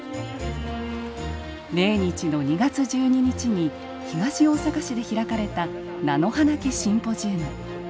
命日の２月１２日に東大阪市で開かれた菜の花忌シンポジウム。